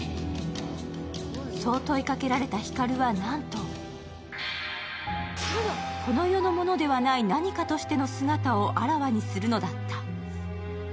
問いかけられた光るはなんとこの世のものではないナニカとしての姿をあらわにするのだった。